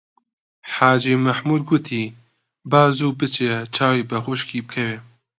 حاجی مەحموود گوتی: با زوو بچێ چاوی بە خوشکی بکەوێ